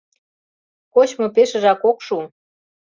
— Кочмо пешыжак ок шу.